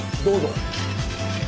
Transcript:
どうぞ。